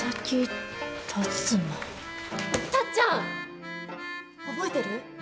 タッちゃん！覚えてる？